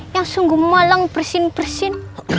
yang sungguh malang bersin bersin